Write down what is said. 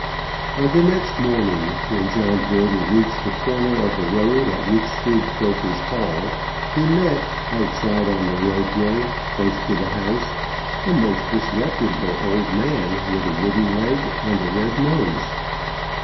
On the next morning, when John Gordon reached the corner of the road at which stood Croker's Hall, he met, outside on the roadway, close to the house, a most disreputable old man with a wooden leg and a red nose.